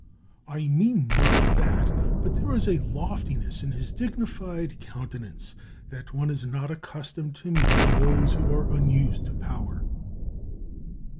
"I mean not that; but there is a loftiness in his digni fied countenance that one is not accustomed to meet in those who are unused to power."